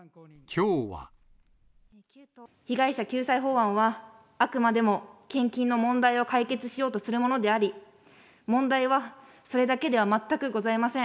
被害者救済法案は、あくまでも献金の問題を解決しようとするものであり、問題はそれだけでは全くございません。